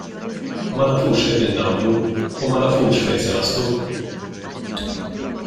Ma nafux x'qegħdin nagħmlu u ma nafux fejn se naslu.